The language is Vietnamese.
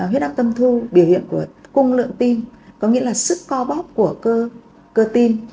huyết áp tâm thu biểu hiện của cung lượng tim có nghĩa là sức co bóp của cơ tim